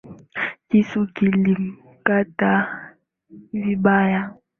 Kisu kilimkata vibaya